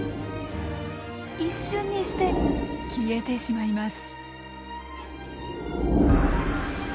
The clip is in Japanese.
一瞬にして消えてしまいます。